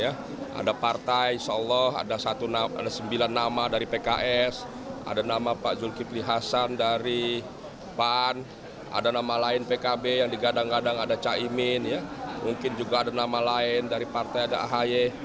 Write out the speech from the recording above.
ada partai insya allah ada sembilan nama dari pks ada nama pak zulkifli hasan dari pan ada nama lain pkb yang digadang gadang ada caimin mungkin juga ada nama lain dari partai ada ahy